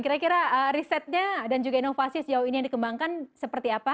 kira kira risetnya dan juga inovasi sejauh ini yang dikembangkan seperti apa